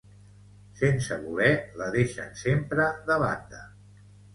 Sense voler, la deixen sempre de banda.